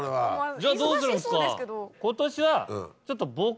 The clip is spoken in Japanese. じゃあどうするんですか？